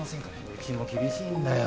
うちも厳しいんだよ。